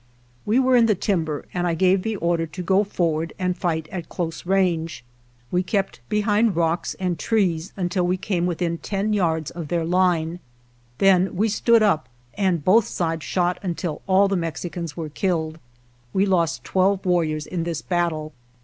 We were in the timber, and I gave the order to go forward and fight at close range. We kept behind rocks and trees until we came within ten yards of their line, then we stood up and both sides shot until all the Mexicans were killed. We lost twelve warriors in this battle.